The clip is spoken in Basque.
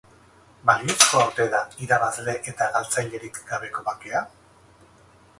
Balizkoa ote da irabazle eta galtzailerik gabeko bakea?